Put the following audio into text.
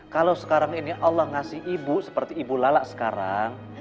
kalau sekarang ini allah ngasih ibu seperti ibu lala sekarang